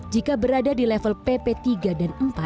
jika berada di level pp tiga dan empat